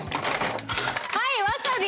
はいわさび！